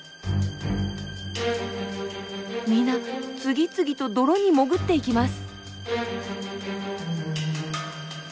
みな次々と泥に潜っていきます。